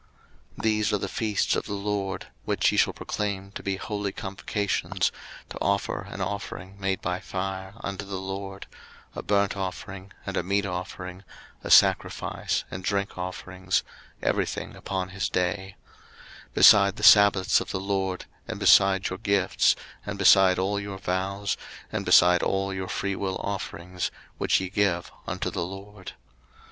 03:023:037 These are the feasts of the LORD, which ye shall proclaim to be holy convocations, to offer an offering made by fire unto the LORD, a burnt offering, and a meat offering, a sacrifice, and drink offerings, every thing upon his day: 03:023:038 Beside the sabbaths of the LORD, and beside your gifts, and beside all your vows, and beside all your freewill offerings, which ye give unto the LORD.